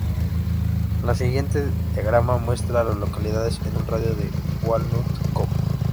El siguiente diagrama muestra a las localidades en un radio de de Walnut Cove.